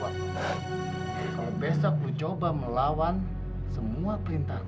kalau besok kamu coba melawan semua perintah kamu